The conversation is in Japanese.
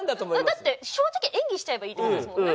だって正直演技しちゃえばいいって事ですもんね。